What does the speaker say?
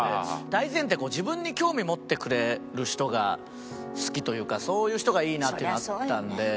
大前提自分に興味持ってくれる人が好きというかそういう人がいいなっていうのがあったんで。